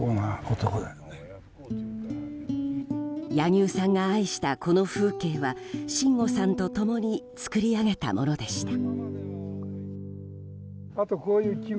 柳生さんが愛した、この風景は真吾さんと共に作り上げたものでした。